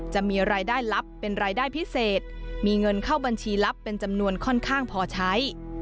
จะมีรายได้ลับเป็นรายได้พิเศษมีเงินเข้าบัญชีลับเป็นจำนวนค่อนข้างพอใช้